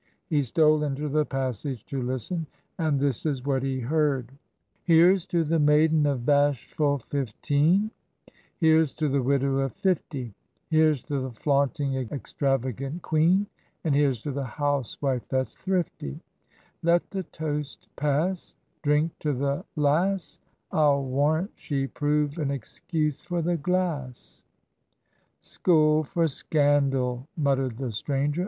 He stole into the passage to listen. And this is what he heard: "Here's to the maiden of bashful fifteen; Here's to the widow of fifty; Here's to the flaunting extravagant queen And here's to the housewife that's thrifty, Let the toast pass; Drink to the lass I'll warrant she prove an excuse for the glass." "School for Scandal," muttered the stranger.